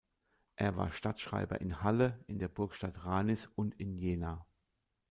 Er war Stadtschreiber in Halle, in der Burgstadt Ranis und in Jena.